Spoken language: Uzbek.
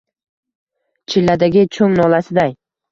Chilladagi choʼng nolasiday.